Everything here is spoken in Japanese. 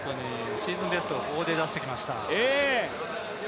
シーズンベストをここで出してきました。